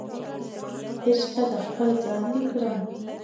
عشقه د خپل ځان دې کړم